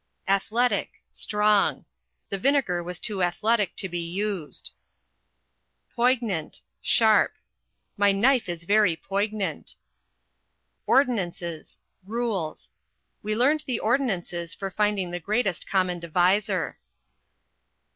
Athletic = Strong: The vinegar was too athletic to be used. Poignant = Sharp: My knife is very poignant. Ordinances = Rules: We learned the ordinances for finding the greatest common divisor.